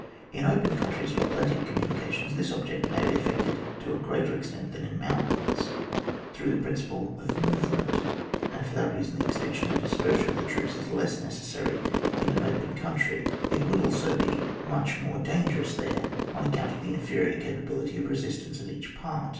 In open countries with plenty of communications, this object may be effected to a greater extent than in mountains, through the principle of movement^ and for that reason the extension and dispersion of the troops is less necessary in an open country ; it would also be much more dangerous there on accoimt of the inferior capa bility of resistance of each part.